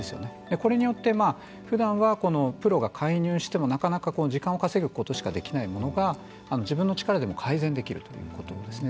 これによって、ふだんはプロが介入してもなかなか時間を稼ぐことしかできないものが自分の力でも改善できるということですね。